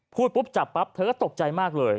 พูดปุ๊บจับปั๊บเธอก็ตกใจมากเลย